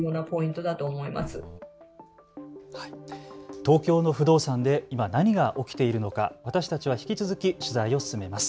東京の不動産で今、何が起きているのか私たちは引き続き取材を進めます。